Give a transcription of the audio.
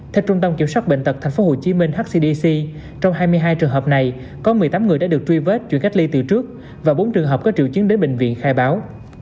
theo trung tâm kiểm soát bệnh tật tp hcm hcdc trong hai mươi hai trường hợp này có một mươi tám người đã được truy vết chuyển cách ly từ trước và bốn trường hợp có triệu chứng đến bệnh viện khai báo